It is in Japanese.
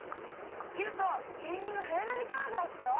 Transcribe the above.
ゆうとぎゅうにゅうはやのみきょうそうしよう！